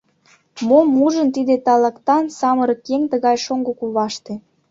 Мом ужын тиде талантан самырык еҥ тыгай шоҥго куваште?